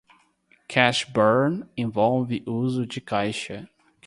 Cash Burn envolve o uso de caixa.